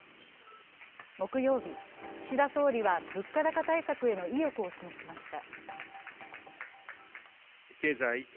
木曜日、岸田総理は物価高対策への意欲を示しました。